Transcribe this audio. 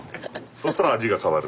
そしたら味が変わる。